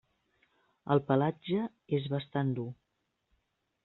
El pelatge és bastant dur.